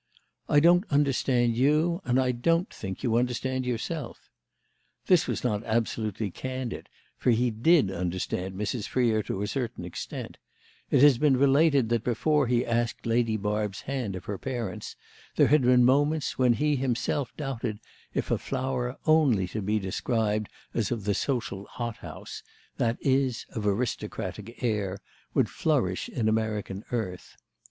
"I don't understand you and don't think you understand yourself." This was not absolutely candid, for he did understand Mrs. Freer to a certain extent; it has been related that before he asked Lady Barb's hand of her parents there had been moments when he himself doubted if a flower only to be described as of the social hothouse, that is of aristocratic air, would flourish in American earth.